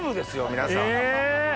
皆さん。え！